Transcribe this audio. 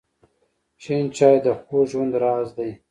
شین چای د خوږ ژوند راز دی.